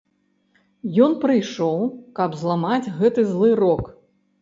Ён прыйшоў, каб зламаць гэты злы рок.